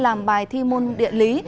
làm bài thi môn điện lý